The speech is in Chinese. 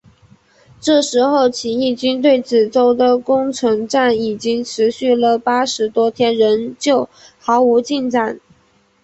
这时候起义军对梓州的攻城战已经持续了八十多天仍旧毫无进展。